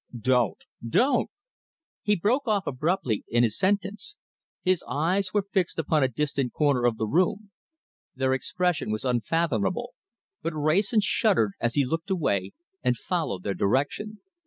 Don't don't " He broke off abruptly in his sentence. His eyes were fixed upon a distant corner of the room. Their expression was unfathomable, but Wrayson shuddered as he looked away and followed their direction.